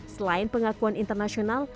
selain pengakuan internasional